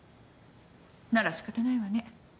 なら仕方ないわね。